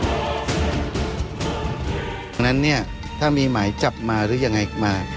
เพราะฉะนั้นเนี่ยถ้ามีหมายจับมาหรือยังไงมา